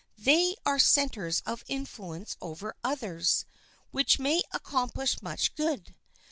They are centers of influence over others, which may accomplish much good.